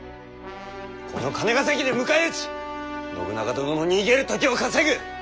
この金ヶ崎で迎え撃ち信長殿の逃げる時を稼ぐ！